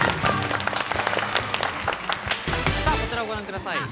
こちらをご覧ください。